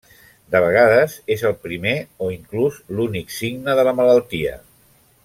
De vegades, és el primer o inclús l'únic signe de la malaltia.